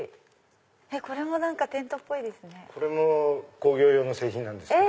これもテントっぽいですね。